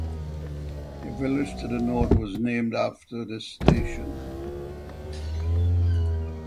A village to the north was named after this station.